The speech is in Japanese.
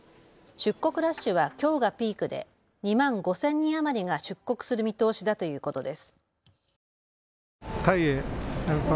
出国ラッシュはきょうがピークで２万５０００人余りが出国する見通しだということです。